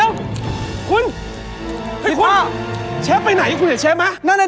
เป็นผู้ชนะในภารกิจครั้งนี้